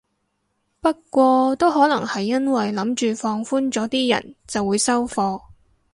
不過都可能係因為諗住放寬咗啲人就會收貨